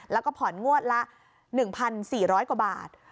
แล้วก็ผ่อนงวดละ๑๔๐๐กว่าบาท